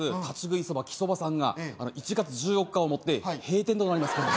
立ち食いそばきそばさんが１月１４日をもって閉店となります。